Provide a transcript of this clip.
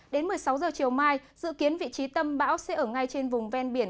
đến một mươi sáu h chiều mai dự kiến vị trí tâm bão sẽ ở ngay trên vùng ven biển